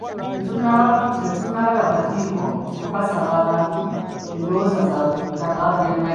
Tetunnalaba kakiiko nga kasaba abantu endowooza zaabwe ku ttaka lya Mmayiro.